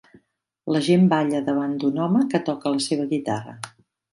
La gent balla davant d'un home que toca la seva guitarra.